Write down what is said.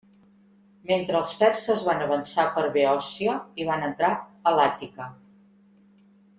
Mentre els perses van avançar per Beòcia i van entrar a l'Àtica.